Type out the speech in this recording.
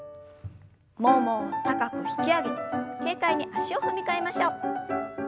ももを高く引き上げて軽快に足を踏み替えましょう。